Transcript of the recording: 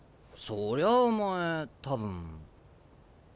そりゃあお前多分。